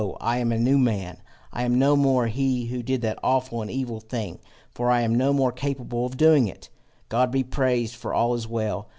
I am a new man; I am no more he who did that awful and evil thing, for I am no more capable of doing it! God be praised, for all is well!